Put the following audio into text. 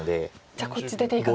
じゃあこっち出ていかないと。